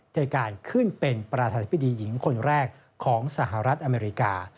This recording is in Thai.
ในการขึ้นเป็นประธานธิบดีหญิงคนแรกของสหรัฐอเมริกา